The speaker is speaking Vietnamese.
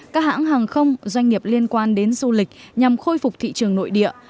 các hãng hàng không doanh nghiệp liên quan đến du lịch nhằm khôi phục thị trường nội địa